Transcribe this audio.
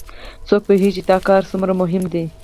څوک پوهیږي چې دا کار څومره مهم ده